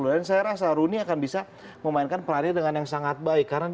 dan saya rasa rooney akan bisa memainkan pelanir dengan yang sangat baik